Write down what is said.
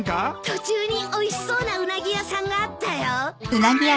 途中においしそうなウナギ屋さんがあったよ。